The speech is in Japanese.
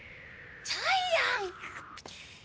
ジャイアン！